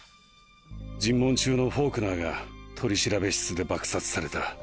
尋問中のフォークナーが取調室で爆殺された。